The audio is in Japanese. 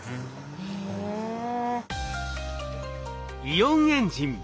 イオンエンジン